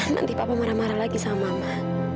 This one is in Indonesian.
nanti papa marah marah lagi sama mama